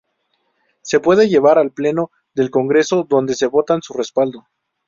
Se pueden llevar al Pleno del Congreso, donde se vota su respaldo.